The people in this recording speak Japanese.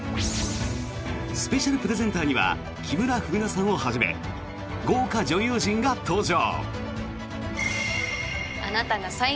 スペシャルプレゼンターには木村文乃さんをはじめ豪華女優陣が登場！